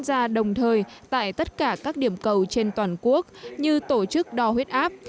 ra đồng thời tại tất cả các điểm cầu trên toàn quốc như tổ chức đo huyết áp